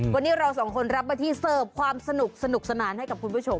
วันนี้เราสองคนรับมาที่เสิร์ฟความสนุกสนานให้กับคุณผู้ชม